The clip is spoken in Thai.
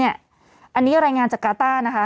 อันนี้รายงานจากการ์ต้า